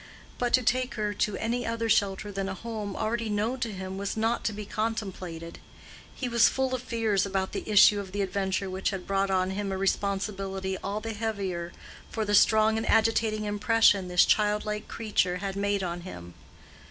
But to take her to any other shelter than a home already known to him was not to be contemplated: he was full of fears about the issue of the adventure which had brought on him a responsibility all the heavier for the strong and agitating impression this childlike creature had made on him.